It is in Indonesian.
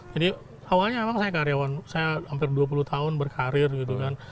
jadi awalnya memang saya karyawan saya hampir dua puluh tahun berkarir gitu kan